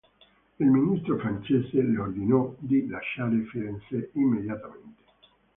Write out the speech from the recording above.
Il ministro francese le ordinò di lasciare Firenze immediatamente.